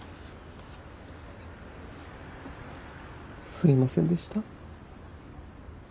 すいませんでした。